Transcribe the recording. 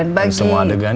dan semua adegannya